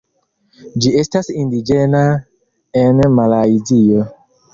Ĝi estas indiĝena en Malajzio.